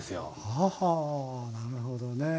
はあはあなるほどね。